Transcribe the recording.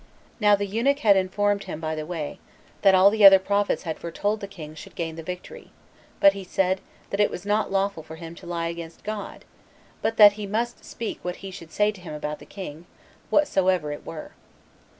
Now the eunuch had informed him by the way, that all the other prophets had foretold that the king should gain the victory; but he said, that it was not lawful for him to lie against God, but that he must speak what he should say to him about the king, whatsoever it were.